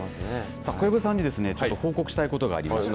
小籔さんにちょっと報告したいことがありまして。